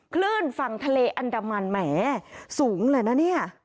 คลื่นฝั่งทะเลอันดามันแหมสูงเลยนะเนี่ย